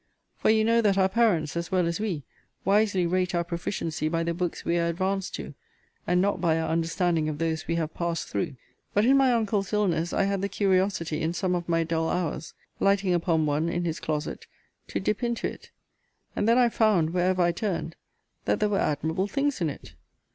For you know that our parents, as well as we, wisely rate our proficiency by the books we are advanced to, and not by our understanding of those we have passed through. But, in my uncle's illness, I had the curiosity, in some of my dull hours, (lighting upon one in his closet,) to dip into it: and then I found, wherever I turned, that there were admirable things in it.